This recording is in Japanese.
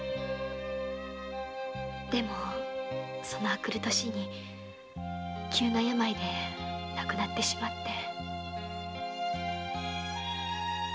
でもその翌年に急な病いで亡くなってしまって。